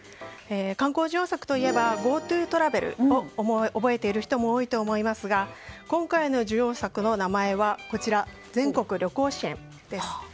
観光需要策といえばＧｏＴｏトラベルを覚えている人も多いと思いますが今回の需要策の名前は全国旅行支援です。